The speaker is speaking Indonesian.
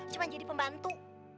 cuma jadi pembantu